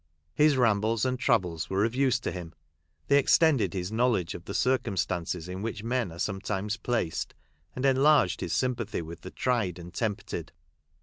His rambles and travels were of use to him. They extended his knowledge of the circumstances in which men are sometimes placed, and enlarged his sympathy with the tried and tempted.